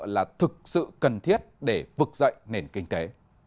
là thực sự cần thiết để vực dậy nền kinh tế